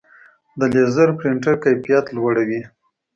د لیزر پرنټر کیفیت لوړ وي.